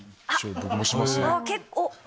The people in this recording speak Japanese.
僕もしますね。